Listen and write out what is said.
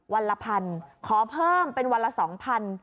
วันละพันขอเพิ่มเป็นวันละ๒๐๐บาท